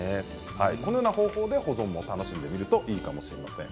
このような方法で保存も楽しんでいただけるといいかもしれません。